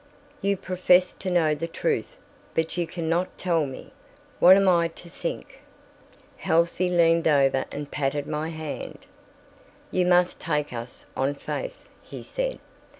You profess to know the truth, but you can not tell me! What am I to think?" Halsey leaned over and patted my hand. "You must take us on faith," he said.